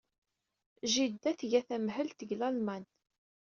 Jida tga tamhelt deg Lalman.